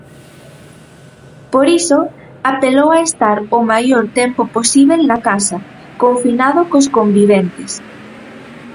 Por iso, apelou a estar "o maior tempo posíbel na casa, confinado cos conviventes".